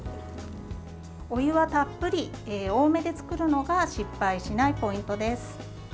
お湯はたっぷり多めで作るのが失敗しないポイントです。